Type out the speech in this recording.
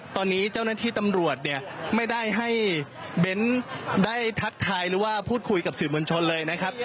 ตอนนี้เจ้าระที่ตำรวจเนี่ยไม่ได้ให้เบนท์ได้พูดคุยกับสื่อมวลชนเลยนะครับ